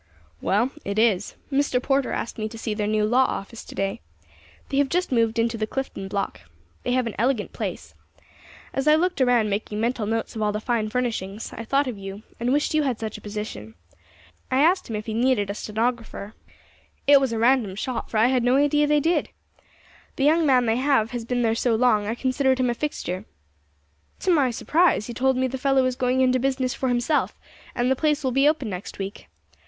"Well, it is. Mr. Porter asked me to see their new law office to day. They have just moved into the Clifton Block. They have an elegant place. As I looked around, making mental notes of all the fine furnishings, I thought of you, and wished you had such a position. I asked him if he needed a stenographer. It was a random shot, for I had no idea they did. The young man they have has been there so long, I considered him a fixture. To my surprise he told me the fellow is going into business for himself, and the place will be open next week.